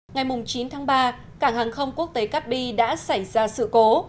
ngày chín tháng ba cảng hàng không quốc tế cát bi đã xảy ra sự cố